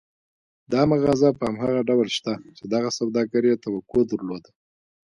دا مغازه په هماغه ډول شته چې دغه سوداګر يې توقع درلوده.